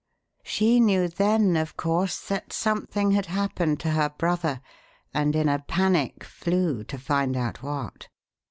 She knew then, of course, that something had happened to her brother, and in a panic flew to find out what.